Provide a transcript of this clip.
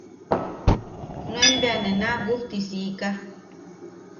Nuen bea ne naabujti siika.